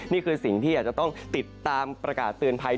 นี่คือสิ่งที่อาจจะต้องติดตามประกาศเตือนภัย